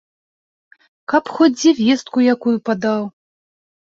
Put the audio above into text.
Каб хоць дзе вестку якую падаў!